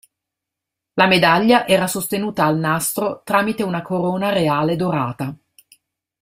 La medaglia era sostenuta al nastro tramite una corona reale dorata.